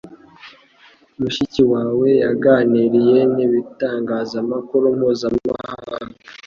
Mushikiwabo yaganiriye n'ibitangazamakuru mpuzamahanga